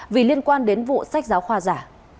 vì liên quan đến vụ sách giáo khoa giả